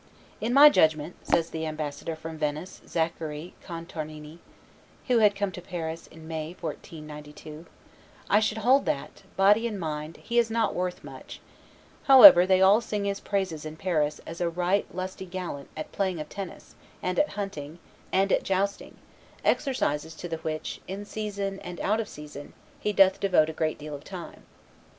"In my judgment," adds the ambassador from Venice, Zachary Contarini, who had come to Paris in May, 1492, "I should hold that, body and mind, he is not worth much; however, they all sing his praises in Paris as a right lusty gallant at playing of tennis, and at hunting, and at jousting, exercises to the which, in season and out of season, he doth devote a great deal of time."